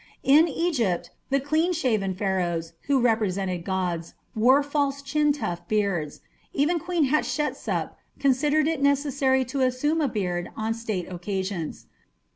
In Egypt the clean shaven Pharaohs, who represented gods, wore false chin tuft beards; even Queen Hatshepsut considered it necessary to assume a beard on state occasions.